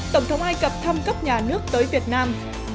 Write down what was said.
tổng thống ai cập thăm cấp nhà nước tới việt nam